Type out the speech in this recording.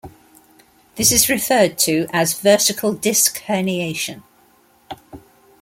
This is referred to as "vertical disc herniation".